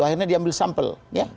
akhirnya diambil sampel